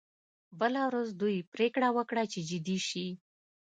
بله ورځ دوی پریکړه وکړه چې جدي شي